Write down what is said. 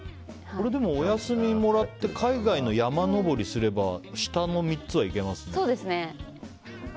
お休みもらって海外の山登りすれば下の３つはいけますね。